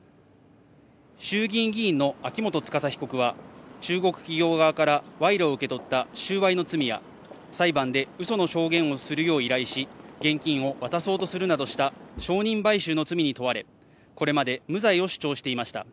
衆議院議員の秋元司被告は中国企業側から賄賂を受け取った収賄の罪や、裁判で嘘の証言をするよう依頼し、現金を渡そうとするなどした証人買収の罪に問われ、これまで無罪を主張していました。